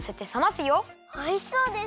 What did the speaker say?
おいしそうです！